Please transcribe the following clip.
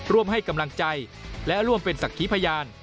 ร่วมให้กำลังใจและร่วมเป็นศักดิ์ขีพยาน